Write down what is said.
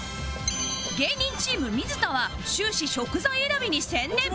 芸人チーム水田は終始食材選びに専念